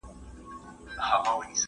زه هره ورځ سفر کوم،